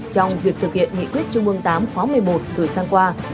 trong việc thực hiện nghị quyết trung ương tám khóa một mươi một thời gian qua